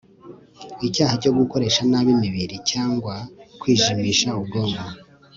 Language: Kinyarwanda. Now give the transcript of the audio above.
ic yaha cyo gukoresha nabi imibiri cyangwa kwijimisha ubwonko